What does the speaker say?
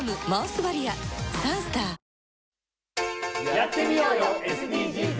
やってみようよＳＤＧｓ。